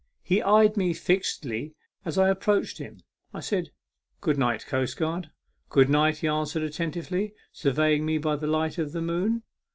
He eyed me fixedly as I approached him. I said, " Good night, coastguard." " Good night," he answered, attentively surveying me by the light of the moon.